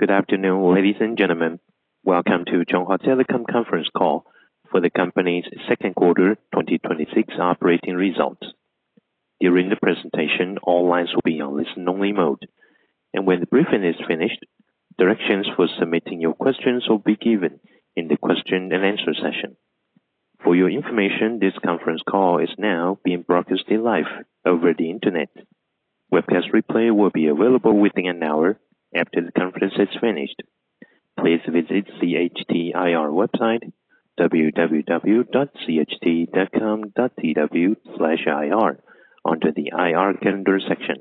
Good afternoon, ladies and gentlemen. Welcome to Chunghwa Telecom conference call for the company's second quarter 2026 operating results. During the presentation, all lines will be on listen-only mode. When the briefing is finished, directions for submitting your questions will be given in the question-and-answer session. For your information, this conference call is now being broadcasted live over the internet. Webcast replay will be available within an hour after the conference is finished. Please visit CHT IR website, www.cht.com.tw/ir under the IR Calendar section.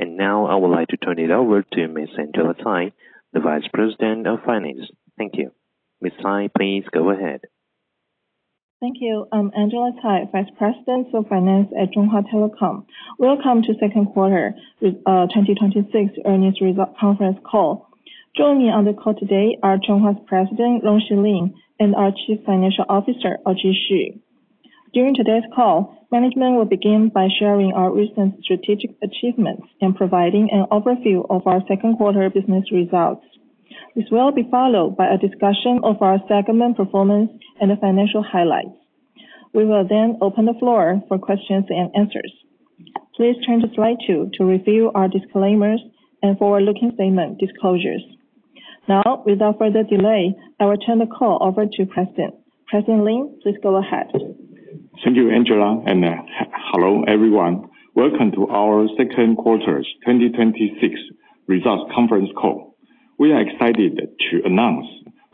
Now I would like to turn it over to Ms. Angela Tsai, the Vice President of Finance. Thank you. Ms. Tsai, please go ahead. Thank you. I'm Angela Tsai, Vice President of Finance at Chunghwa Telecom. Welcome to second quarter 2026 earnings results conference call. Joining me on the call today are Chunghwa's President, Rong-Shy Lin, and our Chief Financial Officer, Audrey Wen-Hsin Hsu. During today's call, management will begin by sharing our recent strategic achievements and providing an overview of our second quarter business results. This will be followed by a discussion of our segment performance and the financial highlights. We will then open the floor for question-and-answer. Please turn to slide two to review our disclaimers and forward-looking statement disclosures. Without further delay, I will turn the call over to President. President Lin, please go ahead. Thank you, Angela. Hello, everyone. Welcome to our second quarter's 2026 results conference call. We are excited to announce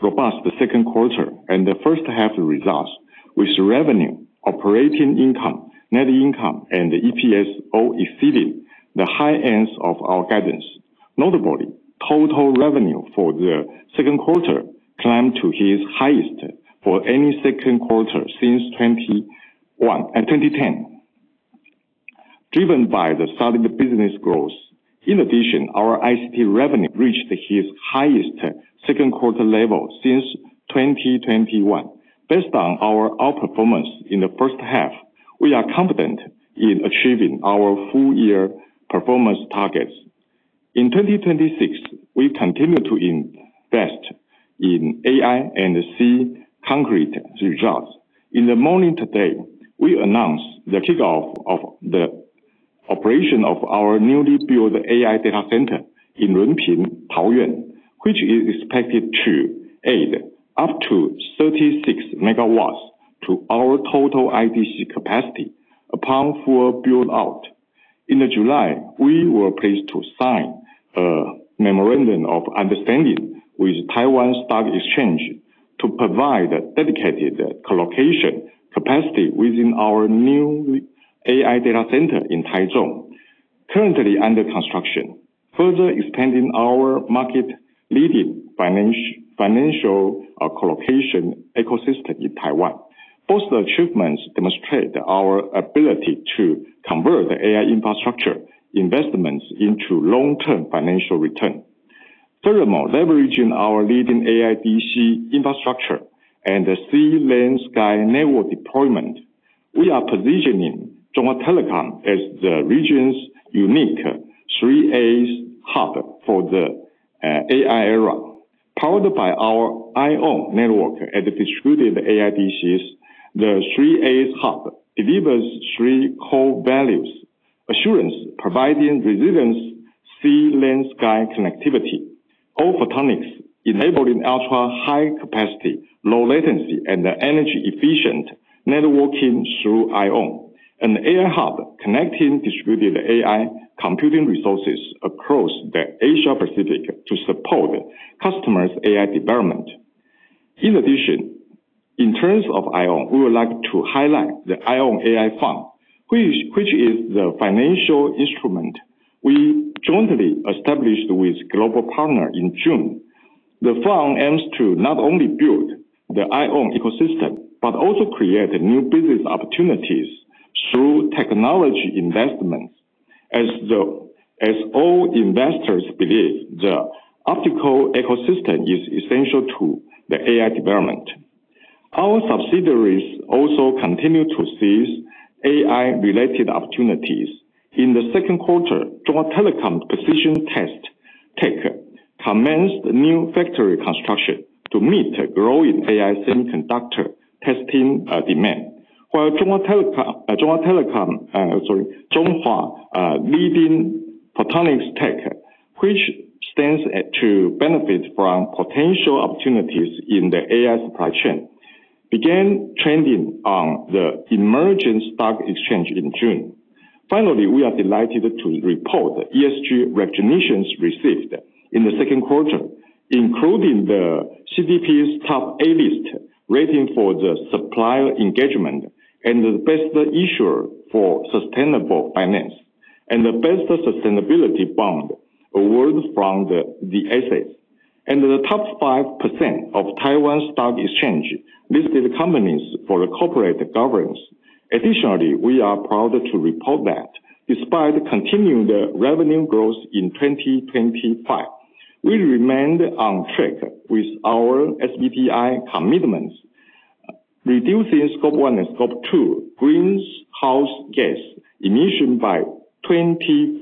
robust second quarter and the first half results with revenue, operating income, net income, and EPS all exceeded the high ends of our guidance. Notably, total revenue for the second quarter climbed to its highest for any second quarter since 2010, driven by the solid business growth. In addition, our ICT revenue reached its highest second quarter level since 2021. Based on our out-performance in the first half, we are confident in achieving our full-year performance targets. In 2026, we continue to invest in AI and see concrete results. In the morning today, we announced the kickoff of the operation of our newly built AI data center in Lunping, Taoyuan, which is expected to add up to 36 MW to our total IDC capacity upon full build-out. In July, we were pleased to sign a memorandum of understanding with Taiwan Stock Exchange to provide dedicated colocation capacity within our new AI data center in Taichung, currently under construction, further extending our market-leading financial colocation ecosystem in Taiwan. Both achievements demonstrate our ability to convert AI infrastructure investments into long-term financial return. Furthermore, leveraging our leading AI DC infrastructure and the sea-land-sky network deployment, we are positioning Chunghwa Telecom as the region's unique AAA hub for the AI era. Powered by our IOWN network and distributed AI DCs, the AAA hub delivers three core values. Assurance, providing resilient sea-land-sky connectivity. All photonics, enabling ultra-high capacity, low latency, and energy-efficient networking through IOWN. An AI hub connecting distributed AI computing resources across the Asia-Pacific to support customers' AI development. In addition, in terms of IOWN, we would like to highlight the IOWN AI Fund, which is the financial instrument we jointly established with global partners in June. The fund aims to not only build the IOWN ecosystem, but also create new business opportunities through technology investments. As all investors believe, the optical ecosystem is essential to the AI development. Our subsidiaries also continue to seize AI-related opportunities. In the second quarter, Chunghwa Telecom Precision Test Tech commenced new factory construction to meet the growing AI semiconductor testing demand. While Chunghwa Leading Photonics Tech, which stands to benefit from potential opportunities in the AI supply chain, began trading on the emerging stock exchange in June. Finally, we are delighted to report the ESG recognitions received in the second quarter, including the CDP's Top A-List rating for the supplier engagement and the Best Issuer for Sustainable Finance, and the Best Sustainability Bond award from The Asset, and the top 5% of Taiwan Stock Exchange listed companies for the corporate governance. Additionally, we are proud to report that despite continuing the revenue growth in 2025, we remained on track with our SBTi commitments, reducing Scope 1 and Scope 2 greenhouse gas emission by 24.5%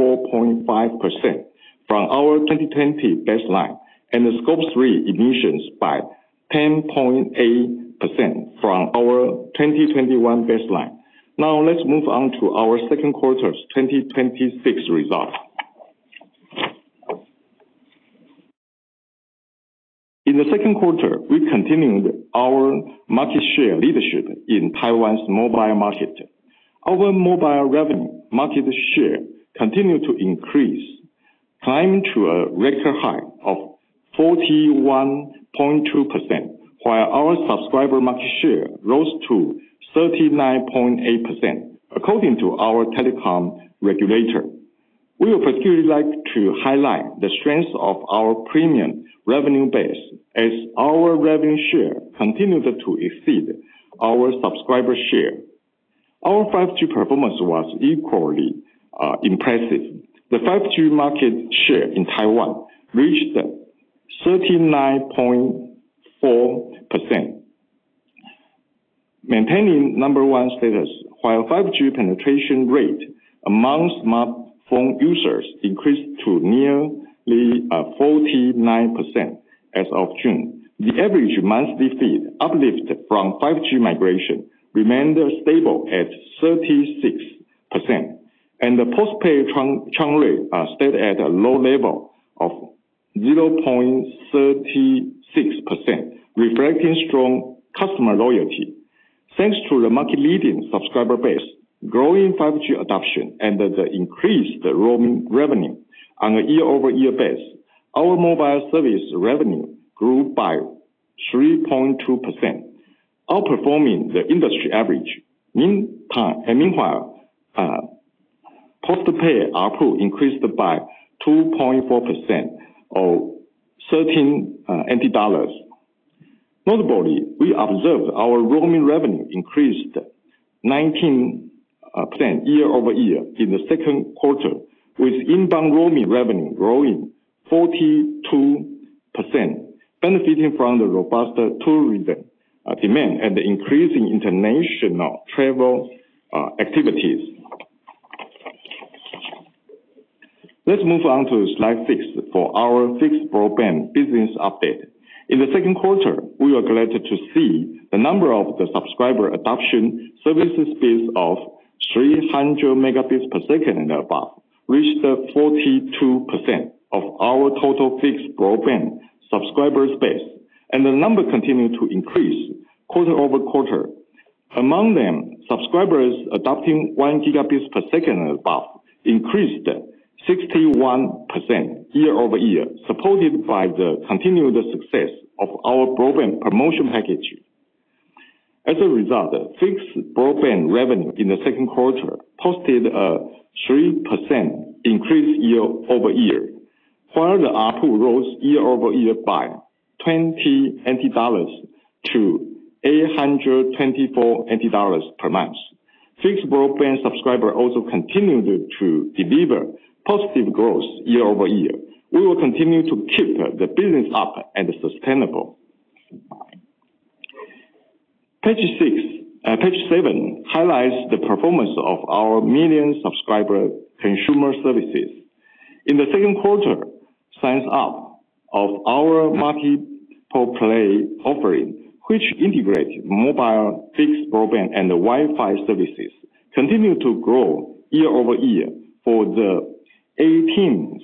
from our 2020 baseline, and Scope 3 emissions by 10.8% from our 2021 baseline. Now let's move on to our second quarter's 2026 results. In the second quarter, we continued our market share leadership in Taiwan's mobile market. Our mobile revenue market share continued to increase, climbing to a record high of 41.2%, while our subscriber market share rose to 39.8% according to our telecom regulator. We would particularly like to highlight the strength of our premium revenue base as our revenue share continued to exceed our subscriber share. Our 5G performance was equally impressive. The 5G market share in Taiwan reached 39.4%, maintaining number one status, while 5G penetration rate amongst smartphone users increased to nearly 49% as of June. The average monthly fee uplift from 5G migration remained stable at 36%, and the postpaid churn rate stayed at a low level of 0.36%, reflecting strong customer loyalty. Thanks to the market-leading subscriber base, growing 5G adoption, and the increased roaming revenue. On a year-over-year base, our mobile service revenue grew by 3.2%, outperforming the industry average. Meanwhile, postpaid ARPU increased by 2.4% or 13 dollars. Notably, we observed our roaming revenue increased 19% year-over-year in the second quarter, with inbound roaming revenue growing 42%, benefiting from the robust tourism demand and the increasing international travel activities. Let's move on to slide six for our fixed broadband business update. In the second quarter, we are glad to see the number of the subscriber adoption services speed of 300 Mbps and above, reached 42% of our total fixed broadband subscriber base, and the number continued to increase quarter-over-quarter. Among them, subscribers adopting 1 Gbps above increased 61% year-over-year, supported by the continued success of our broadband promotion package. As a result, fixed broadband revenue in the second quarter posted a 3% increase year-over-year, while the ARPU rose year-over-year by 20 dollars to 824 dollars per month. Fixed broadband subscriber also continued to deliver positive growth year-over-year. We will continue to keep the business up and sustainable. Page seven highlights the performance of our million-subscriber consumer services. In the second quarter, sign-ups of our multi-play offering, which integrates mobile fixed broadband and Wi-Fi services, continued to grow year-over-year for the 18th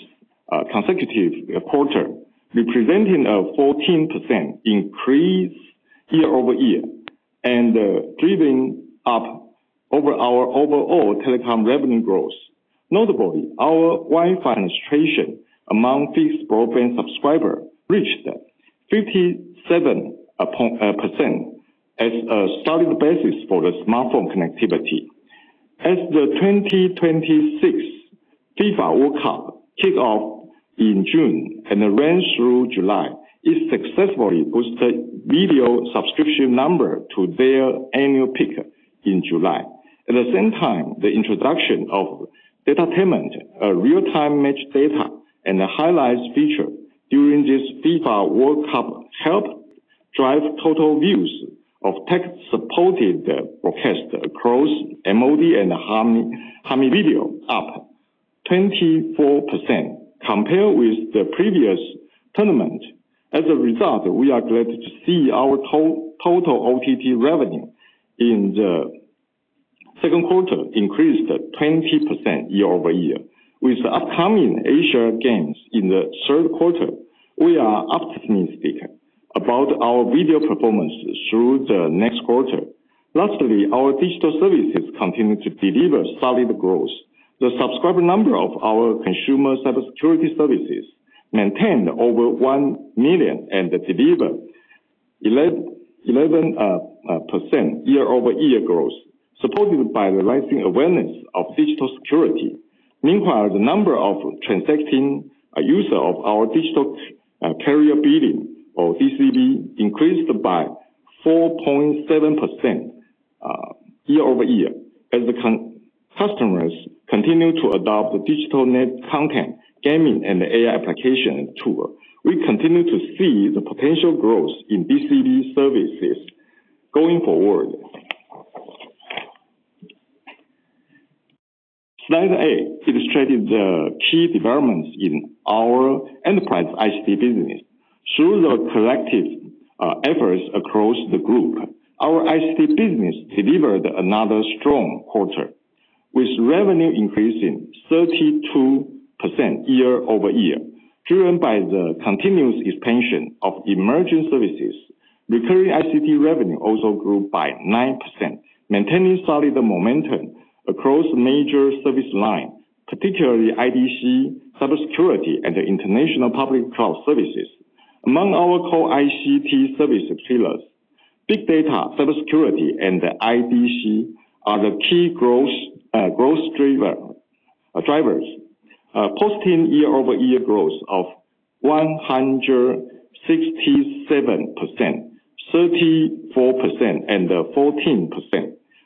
consecutive quarter, representing a 14% increase year-over-year, and driving up our overall telecom revenue growth. Notably, our Wi-Fi registration among fixed broadband subscribers reached 57% as a solid basis for the smartphone connectivity. As the 2026 FIFA World Cup kicked off in June and ran through July, it successfully boosted video subscription numbers to their annual peak in July. At the same time, the introduction of data entertainment, real-time match data, and the highlights feature during this FIFA World Cup helped drive total views of tech-supported broadcast across MOD and Hami Video up 24% compared with the previous tournament. As a result, we are glad to see our total OTT revenue in the second quarter increased 20% year-over-year. With the upcoming Asian Games in the third quarter, we are optimistic about our video performance through the next quarter. Our digital services continue to deliver solid growth. The subscriber numbers of our consumer cybersecurity services maintained over 1 million and delivered 11% year-over-year growth, supported by the rising awareness of digital security. Meanwhile, the number of transacting users of our digital carrier billing or DCB increased by 4.7% year-over-year. As the customers continue to adopt the digital content, gaming, and AI application tool, we continue to see the potential growth in DCB services going forward. Slide eight illustrated the key developments in our Enterprise Business Group ICT business. Through the collective efforts across the group, our ICT business delivered another strong quarter, with revenue increasing 32% year-over-year, driven by the continuous expansion of emerging services. Recurring ICT revenue also grew by 9%, maintaining solid momentum across major service lines, particularly IDC, cybersecurity, and international public cloud services. Among our core ICT service pillars, big data, cybersecurity, and IDC are the key growth drivers. Posting year-over-year growth of 167%, 34%, and 14%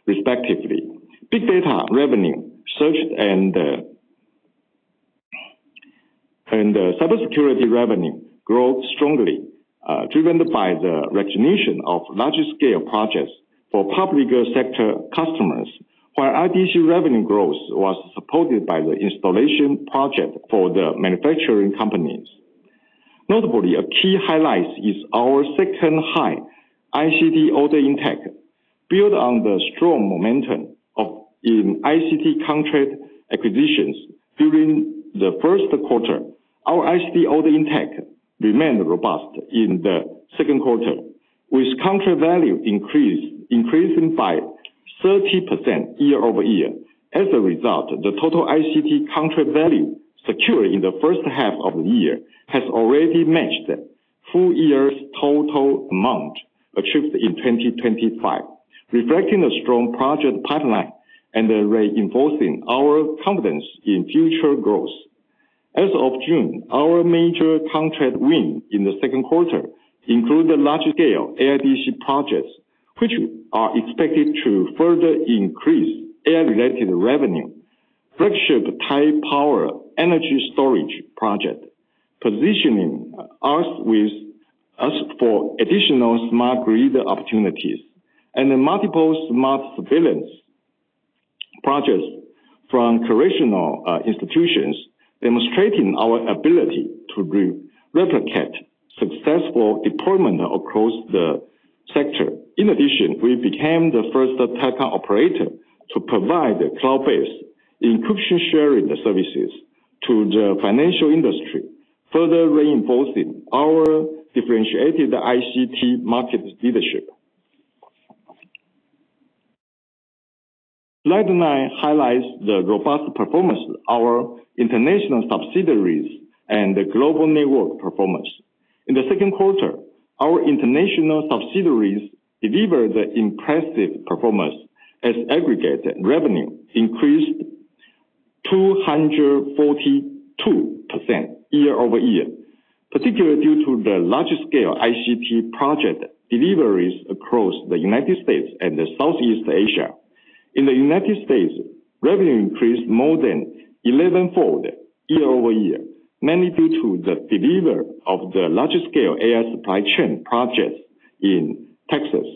respectively. Big data revenue, and cybersecurity revenue grow strongly, driven by the recognition of larger-scale projects for public sector customers, while IDC revenue growth was supported by the installation project for the manufacturing companies. A key highlight is our second-half ICT order intake. Built on the strong momentum in ICT contract acquisitions during the first quarter, our ICT order intake remained robust in the second quarter, with contract value increasing by 30% year-over-year. As a result, the total ICT contract value secured in the first half of the year has already matched the full-year's total amount achieved in 2025, reflecting a strong project pipeline and reinforcing our confidence in future growth. As of June, our major contract win in the second quarter included large-scale AIDC projects, which are expected to further increase AI-related revenue. Flagship Taipower energy storage project, positioning us for additional smart grid opportunities, and multiple smart surveillance projects from correctional institutions, demonstrating our ability to replicate successful deployment across the sector. In addition, we became the first telecom operator to provide cloud-based encryption sharing services to the financial industry, further reinforcing our differentiated ICT market leadership. Slide nine highlights the robust performance of our international subsidiaries and global network performance. In the second quarter, our international subsidiaries delivered impressive performance as aggregate revenue increased 242% year-over-year, particularly due to the large-scale ICT project deliveries across the United States and Southeast Asia. In the United States, revenue increased more than elevenfold year-over-year, mainly due to the delivery of the large-scale AI supply chain projects in Texas.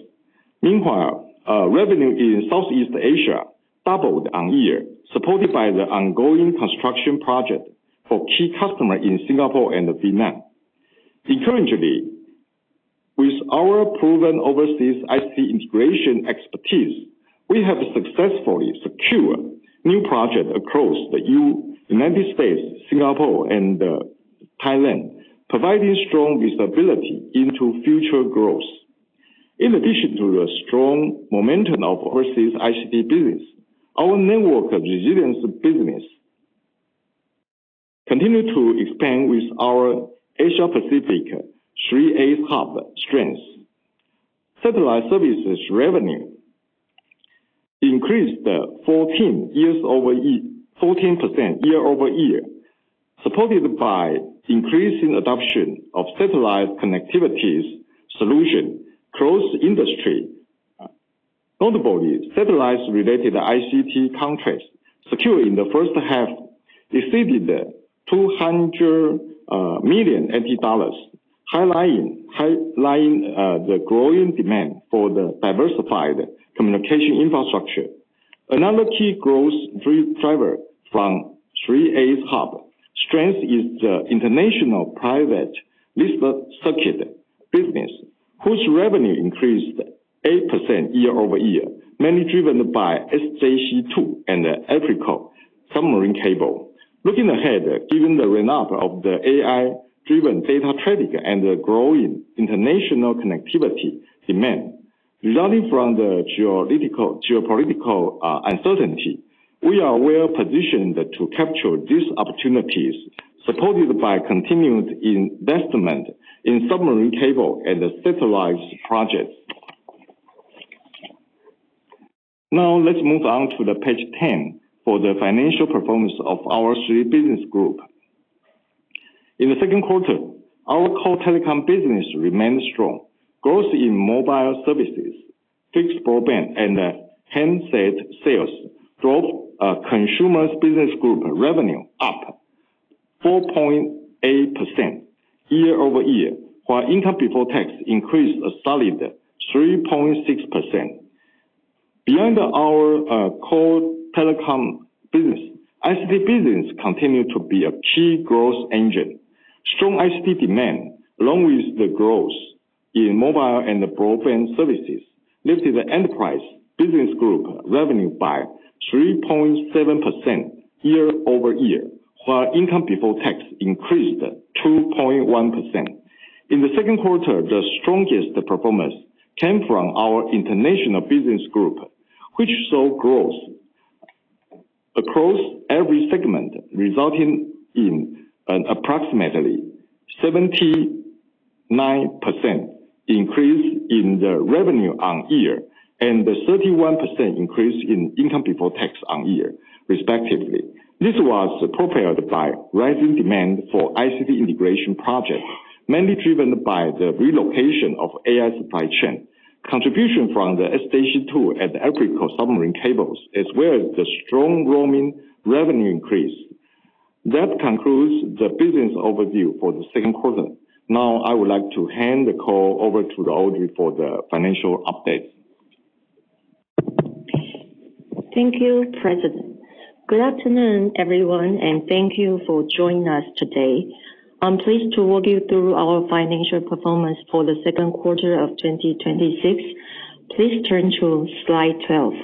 Meanwhile, revenue in Southeast Asia doubled on year, supported by the ongoing construction project for key customer in Singapore and Vietnam. In currently, with our proven overseas ICT integration expertise, we have successfully secured new projects across the United States, Singapore, and Thailand, providing strong visibility into future growth. In addition to the strong momentum of overseas ICT business, our network resilience business continue to expand with our Asia-Pacific AAA hub strength. Satellite services revenue increased 14% year-over-year, supported by increasing adoption of satellite connectivity solution across industry. Notably, satellite-related ICT contracts secured in the first half exceeded $200 million, highlighting the growing demand for the diversified communication infrastructure. Another key growth driver from AAA hub strength is the international private lease circuit business, whose revenue increased 8% year-over-year, mainly driven by SJC2 and APRICOT submarine cable. Looking ahead, given the ramp-up of the AI-driven data traffic and the growing international connectivity demand resulting from the geopolitical uncertainty, we are well-positioned to capture these opportunities, supported by continued investment in submarine cable and satellite projects. Now, let's move on to the page 10 for the financial performance of our three business group. In the second quarter, our core telecom business remained strong. Growth in mobile services, fixed broadband, and handset sales drove our Consumer Business Group revenue up 4.8% year-over-year, while income before tax increased a solid 3.6%. Beyond our core telecom business, ICT business continued to be a key growth engine. Strong ICT demand, along with the growth in mobile and the broadband services, lifted the Enterprise Business Group revenue by 3.7% year-over-year, while income before tax increased 2.1%. In the second quarter, the strongest performance came from our International Business Group, which saw growth across every segment, resulting in an approximately 79% increase in the revenue on year, and a 31% increase in income before tax on year, respectively. This was propelled by rising demand for ICT integration projects, mainly driven by the relocation of AI supply chain. Contribution from the SJC2 and APRICOT submarine cables, as well as the strong roaming revenue increase. That concludes the business overview for the second quarter. Now, I would like to hand the call over to Audrey for the financial update. Thank you, President. Good afternoon, everyone, and thank you for joining us today. I am pleased to walk you through our financial performance for the second quarter of 2026. Please turn to slide 12.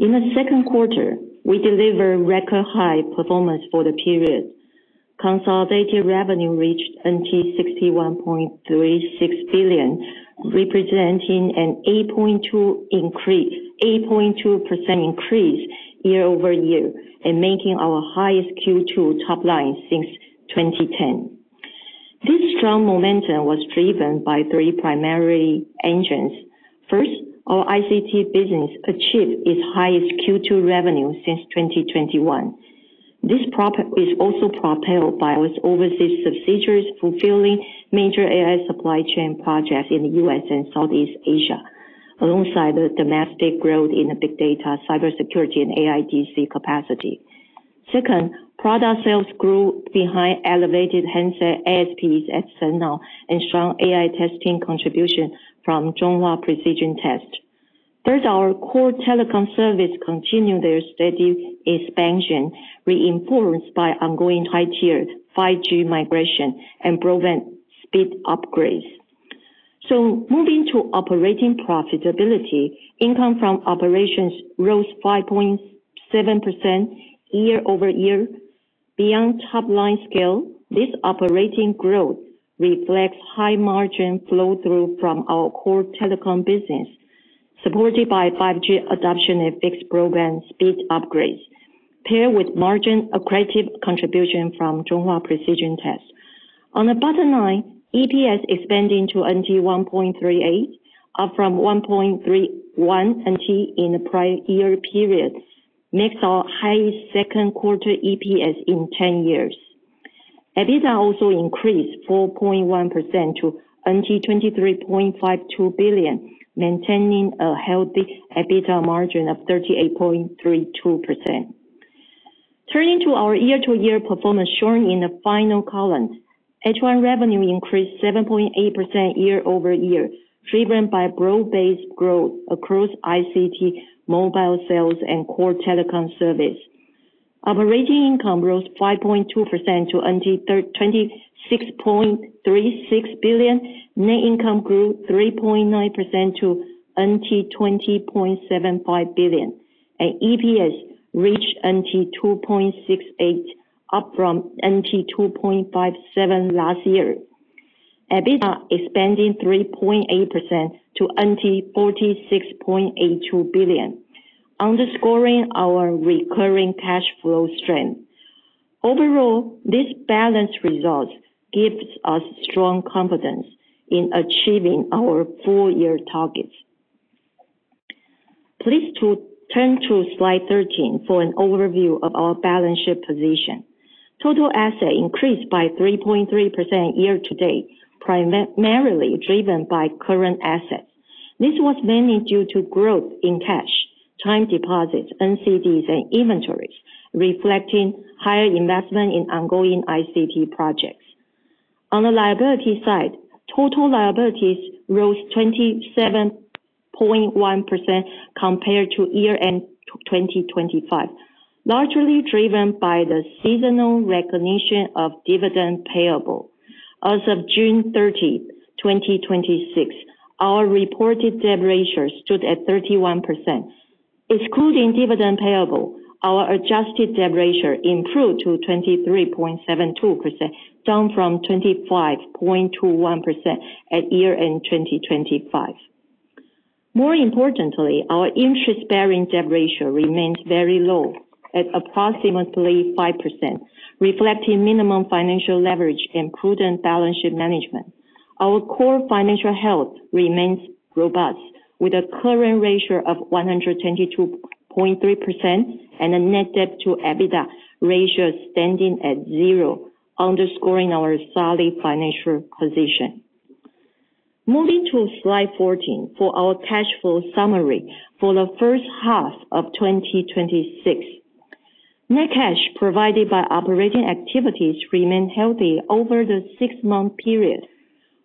In the second quarter, we delivered record high performance for the period. Consolidated revenue reached 61.36 billion, representing an 8.2% increase year-over-year, and making our highest Q2 top line since 2010. This strong momentum was driven by three primary engines. First, our ICT business achieved its highest Q2 revenue since 2021. This is also propelled by our overseas subsidiaries fulfilling major AI supply chain projects in the U.S. and Southeast Asia, alongside the domestic growth in big data, cybersecurity, and AIDC capacity. Second, product sales grew behind elevated handset ASPs at Senao and strong AI testing contribution from Chunghwa Precision Test. Third, our core telecom service continued their steady expansion, reinforced by ongoing high-tiered 5G migration and broadband speed upgrades. Moving to operating profitability, income from operations rose 5.7% year-over-year. Beyond top-line scale, this operating growth reflects high margin flow-through from our core telecom business, supported by 5G adoption and fixed broadband speed upgrades, paired with margin accretive contribution from Chunghwa Precision Test. On the bottom line, EPS expanding to 1.38, up from 1.31 NT in the prior year period, makes our highest second quarter EPS in 10 years. EBITDA also increased 4.1% to 23.52 billion, maintaining a healthy EBITDA margin of 38.32%. Turning to our year-to-year performance shown in the final column. H1 revenue increased 7.8% year-over-year, driven by broad-based growth across ICT, mobile sales, and core telecom service. Operating income rose 5.2% to 26.36 billion. Net income grew 3.9% to 20.75 billion. EPS reached 2.68, up from 2.57 last year. EBITDA expanding 3.8% to 46.82 billion, underscoring our recurring cash flow strength. Overall, this balanced result gives us strong confidence in achieving our full-year targets. Please turn to slide 13 for an overview of our balance sheet position. Total assets increased by 3.3% year-to-date, primarily driven by current assets. This was mainly due to growth in cash, time deposits, NCDs, and inventories, reflecting higher investment in ongoing ICT projects. On the liability side, total liabilities rose 27.1% compared to year-end 2025, largely driven by the seasonal recognition of dividend payable. As of June 30th, 2026, our reported debt ratio stood at 31%. Excluding dividend payable, our adjusted debt ratio improved to 23.72%, down from 25.21% at year-end 2025. More importantly, our interest-bearing debt ratio remains very low at approximately 5%, reflecting minimum financial leverage and prudent balance sheet management. Our core financial health remains robust, with a current ratio of 122.3% and a net debt to EBITDA ratio standing at zero, underscoring our solid financial position. Moving to slide 14 for our cash flow summary for the first half of 2026. Net cash provided by operating activities remained healthy over the six-month period.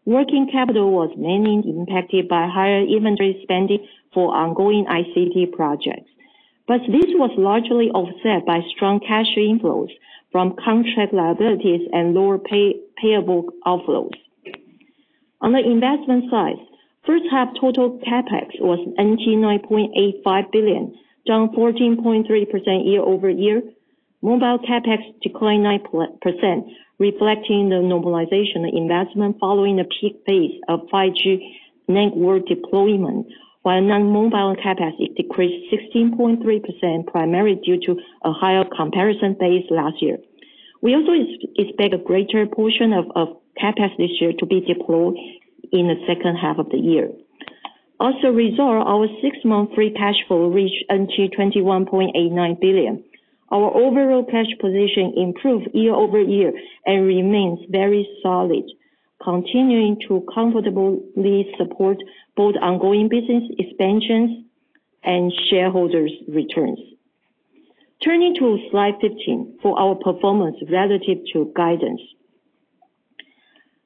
Working capital was mainly impacted by higher inventory spending for ongoing ICT projects. This was largely offset by strong cash inflows from contract liabilities and lower payable outflows. On the investment side, first half total CapEx was 9.85 billion, down 14.3% year-over-year. Mobile CapEx declined 9%, reflecting the normalization investment following a peak phase of 5G network deployment, while non-mobile capacity decreased 16.3%, primarily due to a higher comparison base last year. We also expect a greater portion of CapEx this year to be deployed in the second half of the year. As a result, our six-month free cash flow reached 21.89 billion. Our overall cash position improved year-over-year and remains very solid, continuing to comfortably support both ongoing business expansions and shareholders returns. Turning to slide 15 for our performance relative to guidance.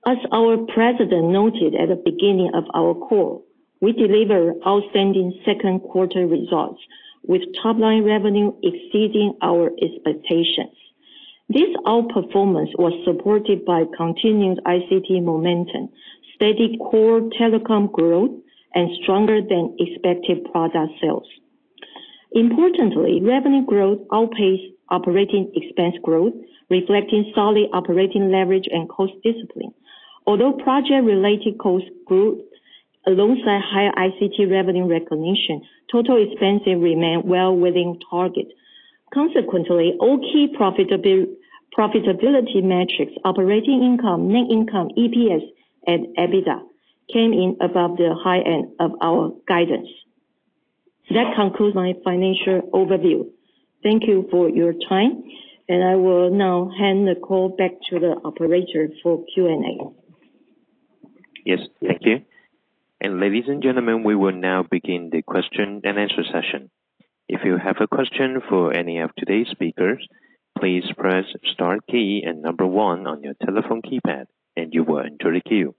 As our president noted at the beginning of our call, we delivered outstanding second quarter results with top-line revenue exceeding our expectations. This outperformance was supported by continued ICT momentum, steady core telecom growth, and stronger than expected product sales. Importantly, revenue growth outpaced operating expense growth, reflecting solid operating leverage and cost discipline. Although project-related costs grew alongside higher ICT revenue recognition, total expenses remained well within target. All key profitability metrics, operating income, net income, EPS, and EBITDA, came in above the high end of our guidance. That concludes my financial overview. Thank you for your time, and I will now hand the call back to the operator for Q&A. Yes. Thank you. Ladies and gentlemen, we will now begin the question-and-answer session. If you have a question for any of today's speakers, please press star key and number one on your telephone keypad, and you will enter the queue.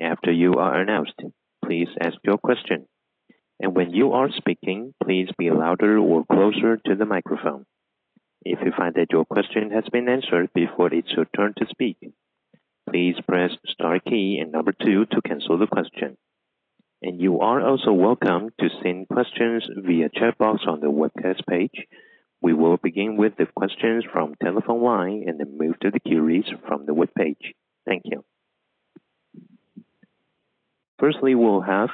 After you are announced, please ask your question. When you are speaking, please be louder or closer to the microphone. If you find that your question has been answered before it's your turn to speak, please press star key and number two to cancel the question. You are also welcome to send questions via chat box on the webcast page. We will begin with the questions from telephone line and then move to the queries from the web page. Thank you. We'll have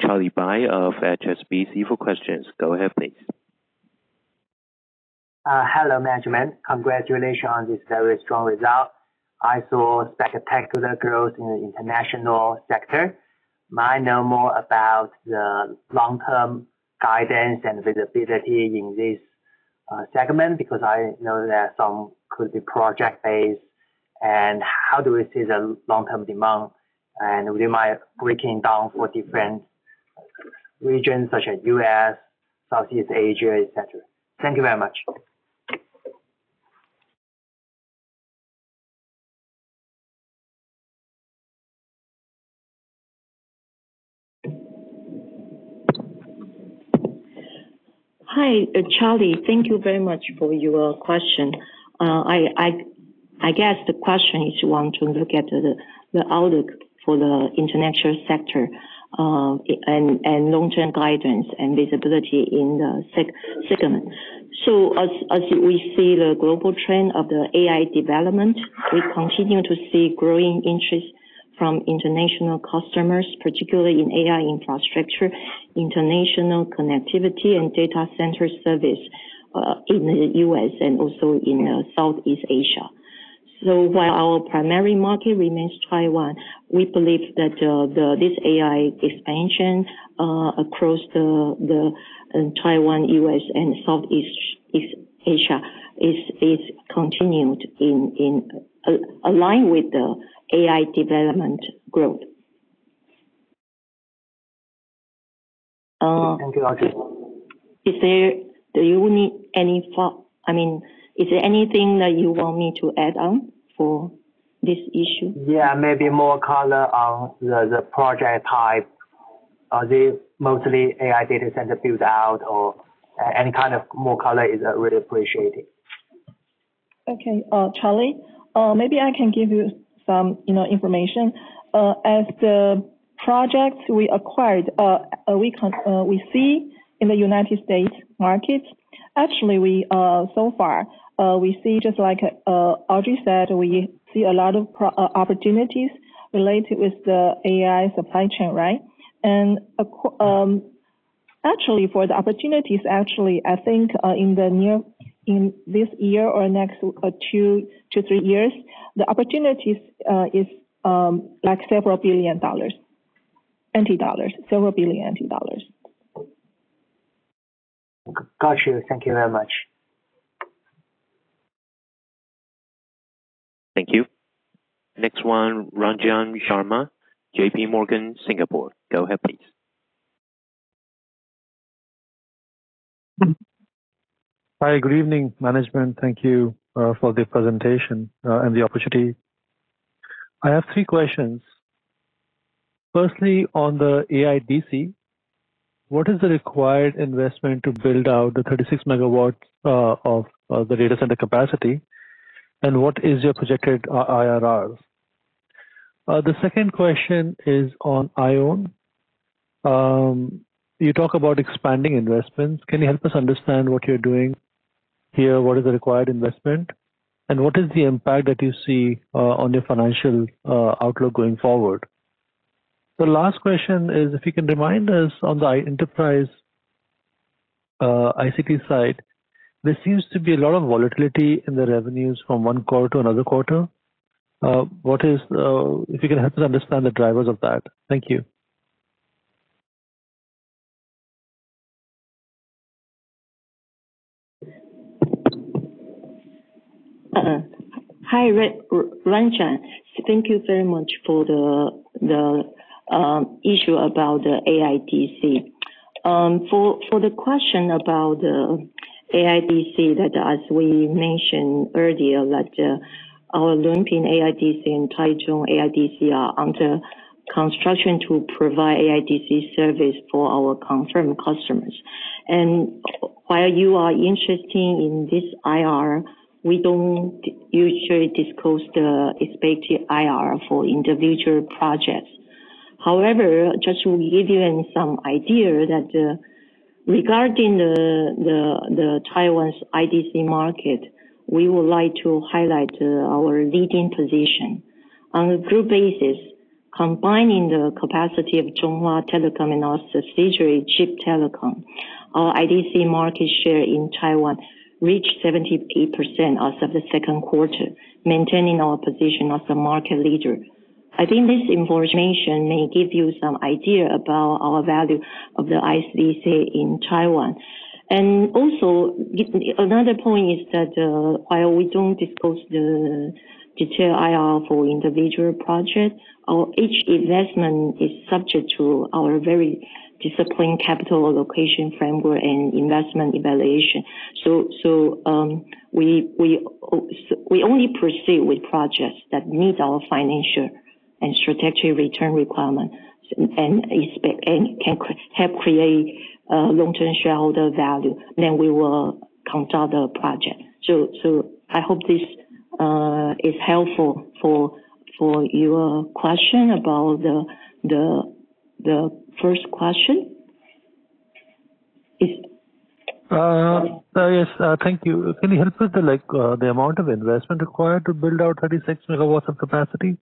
Charlie Bai of HSBC for questions. Go ahead, please. Hello, management. Congratulations on this very strong result. I saw spectacular growth in the international sector. I might know more about the long-term guidance and visibility in this segment because I know that some could be project-based. How do we see the long-term demand? Would you mind breaking down for different regions such as U.S., Southeast Asia, etc? Thank you very much. Hi, Charlie. Thank you very much for your question. I guess the question is you want to look at the outlook for the international sector, and long-term guidance and visibility in the segment. As we see the global trend of the AI development, we continue to see growing interest from international customers, particularly in AI infrastructure, international connectivity, and data center service, in the U.S. and also in Southeast Asia. While our primary market remains Taiwan, we believe that this AI expansion across the Taiwan, U.S., and Southeast Asia is continued in align with the AI development growth. Thank you, Audrey. Is there anything that you want me to add on for this issue? Yeah. Maybe more color on the project type? Are they mostly AI data center build-out or any kind of more color is really appreciated. Okay. Charlie, maybe I can give you some information. As the projects we acquired, we see in the U.S. market, actually, so far, we see just like Audrey said, we see a lot of opportunities related with the AI supply chain, right? Actually, for the opportunities, I think in this year or the next two to three years, the opportunities is several billion dollars. Got you. Thank you very much. Thank you. Next one, Ranjan Sharma, JPMorgan Singapore. Go ahead, please. Hi. Good evening, management. Thank you for the presentation and the opportunity. I have three questions. Firstly, on the AIDC, what is the required investment to build out the 36 MW of the data center capacity, and what is your projected IRR? The second question is on IOWN. You talk about expanding investments. Can you help us understand what you're doing here? What is the required investment, and what is the impact that you see on your financial outlook going forward? The last question is, if you can remind us on the enterprise ICT side, there seems to be a lot of volatility in the revenues from one quarter to another quarter. If you can help us understand the drivers of that. Thank you. Hi, Ranjan. Thank you very much for the issue about the AIDC. For the question about the AIDC, as we mentioned earlier, our Lunping AIDC and Taichung AIDC are under construction to provide AIDC service for our confirmed customers. While you are interested in this IRR, we don't usually disclose the expected IRR for individual projects. However, just to give you some idea regarding the Taiwan's IDC market, we would like to highlight our leading position. On a group basis, combining the capacity of Chunghwa Telecom and our subsidiary, Chief Telecom, our IDC market share in Taiwan reached 73% as of the second quarter, maintaining our position as the market leader. I think this information may give you some idea about our value of the IDC in Taiwan. Another point is that while we don't disclose the detailed IRR for individual projects, each investment is subject to our very disciplined capital allocation framework and investment evaluation. We only proceed with projects that meet our financial and strategic return requirements, and can help create long-term shareholder value, then we will control the project. I hope this is helpful for your question about the first question. Yes. Thank you. Can you help with the amount of investment required to build out 36 MW of capacity?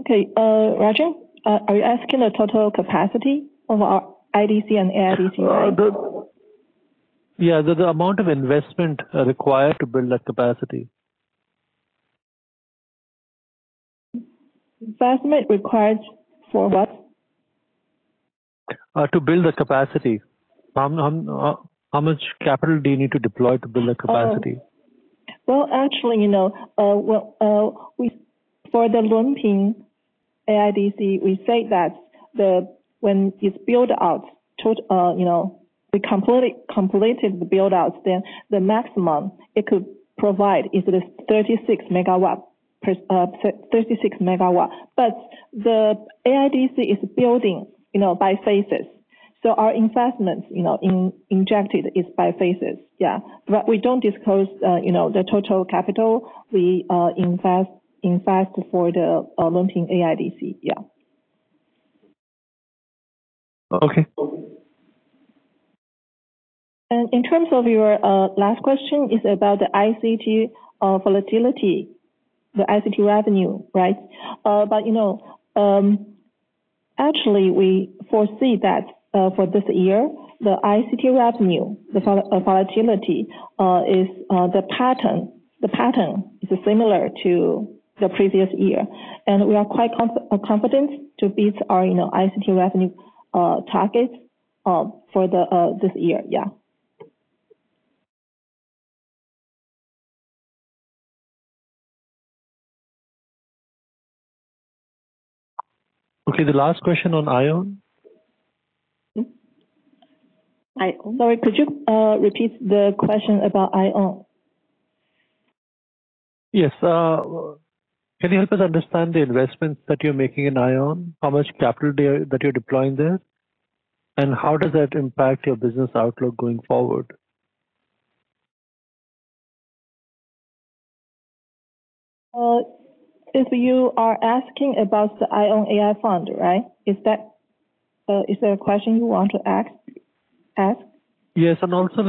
Okay. Ranjan, are you asking the total capacity of our IDC and AIDC? Yeah. The amount of investment required to build that capacity. Investment required for what? To build the capacity. How much capital do you need to deploy to build the capacity? Well, actually, for the Lunping AIDC, we say that when it's built out, we completed the built outs, then the maximum it could provide is the 36 MW. The AIDC is building by phases. Our investments injected is by phases. Yeah, we don't disclose the total capital we invest for the Lunping AIDC. Okay. In terms of your last question is about the ICT volatility, the ICT revenue, right? Actually, we foresee that for this year, the ICT revenue, the volatility, the pattern is similar to the previous year. We are quite confident to beat our ICT revenue targets for this year. Okay, the last question on IOWN. Sorry, could you repeat the question about IOWN? Yes. Can you help us understand the investments that you're making in IOWN? How much capital that you're deploying there, and how does that impact your business outlook going forward? If you are asking about the IOWN AI Fund, right? Is there a question you want to ask? Yes. Also,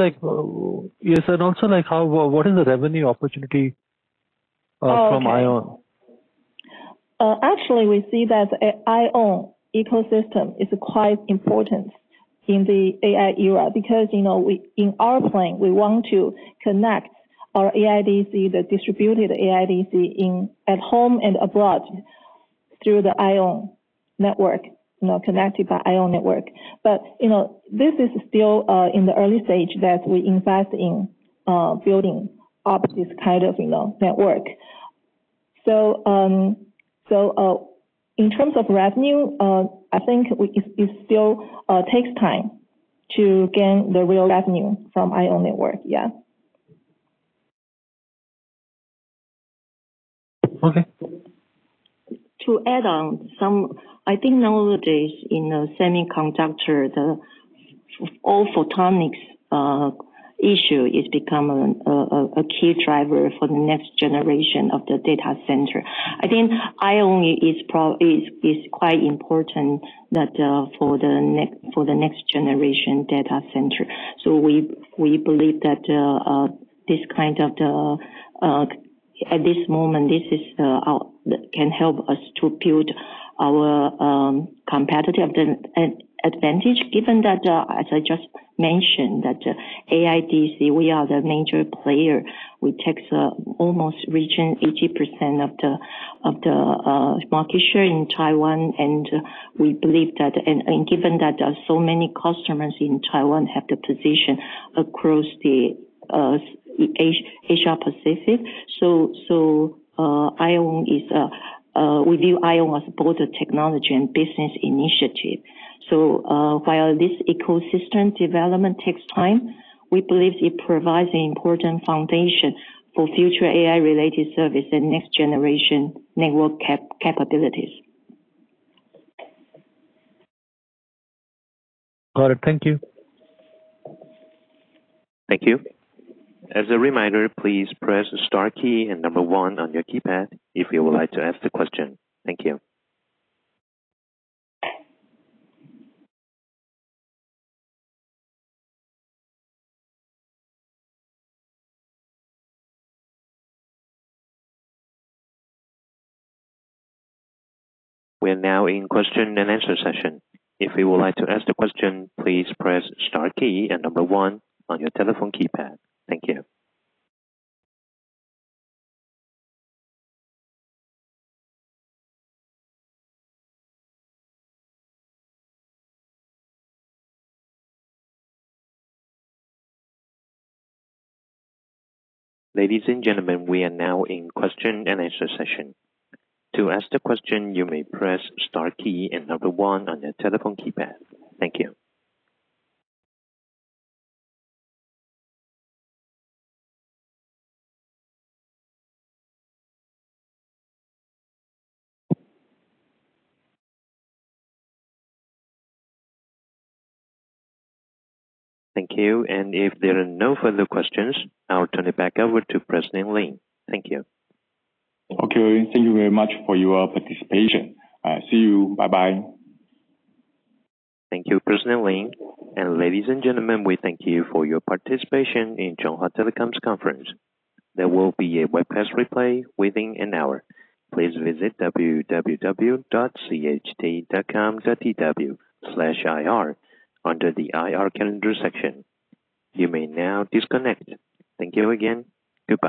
what is the revenue opportunity from IOWN? Actually, we see that IOWN ecosystem is quite important in the AI era because in our plan, we want to connect our AIDC, the distributed AIDC, at home and abroad through the IOWN network, connected by IOWN network. This is still in the early stage that we invest in building up this kind of network. In terms of revenue, I think it still takes time to gain the real revenue from IOWN network, yeah. Okay. To add on, I think nowadays in the semiconductor, the all-photonics issue is becoming a key driver for the next generation of the data center. I think IOWN is quite important for the next generation data center. We believe that at this moment, this can help us to build our competitive advantage, given that, as I just mentioned, that AIDC, we are the major player. We take almost reaching 80% of the market share in Taiwan, and given that so many customers in Taiwan have the position across the Asia-Pacific. We view IOWN as both a technology and business initiative. While this ecosystem development takes time, we believe it provides an important foundation for future AI-related service and next-generation network capabilities. Got it. Thank you. Thank you. As a reminder, please press star key and number one on your keypad if you would like to ask the question. Thank you. We are now in question-and-answer session. If you would like to ask the question, please press star key and number one on your telephone keypad. Thank you. Ladies and gentlemen, we are now in question-and-answer session. To ask the question, you may press star key and number one on your telephone keypad. Thank you. Thank you. If there are no further questions, I'll turn it back over to President Lin. Thank you. Okay. Thank you very much for your participation. See you. Bye-bye. Thank you, President Lin. Ladies and gentlemen, we thank you for your participation in Chunghwa Telecom's conference. There will be a webcast replay within an hour. Please visit www.cht.com.tw/ir under the IR calendar section. You may now disconnect. Thank you again. Goodbye.